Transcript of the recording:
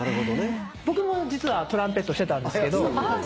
僕も実はトランペットしてたんですけど。